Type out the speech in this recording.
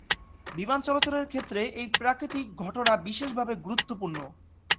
বিমান চলাচলের ক্ষেত্রে এই প্রাকৃতিক ঘটনা বিশেষভাবে গুরুত্বপূর্ণ।